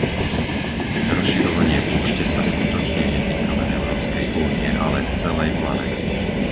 Rozširovanie púšte sa skutočne netýka len Európskej únie, ale celej planéty.